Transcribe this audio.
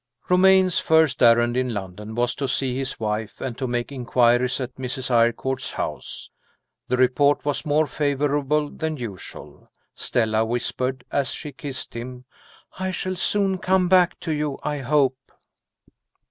ROMAYNE'S first errand in London was to see his wife, and to make inquiries at Mrs. Eyrecourt's house. The report was more favorable than usual. Stella whispered, as she kissed him, "I shall soon come back to you, I hope!"